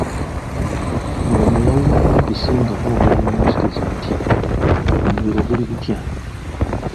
Mulongo yawulira bawampisi nga boogera mu nzikiza nti, omuliro guli gutya?